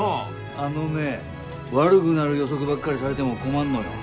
あのね悪ぐなる予測ばっかりされでも困んのよ。